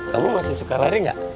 kamu masih suka lari nggak